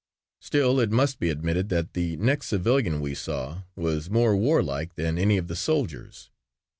Still it must be admitted that the next civilian we saw was more warlike than any of the soldiers.